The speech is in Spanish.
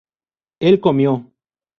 él comió